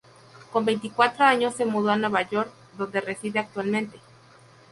Con veinticuatro años se mudó a Nueva York, donde reside actualmente.